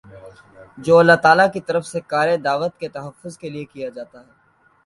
جو اللہ تعالیٰ کی طرف سے کارِ دعوت کے تحفظ کے لیے کیا جاتا ہے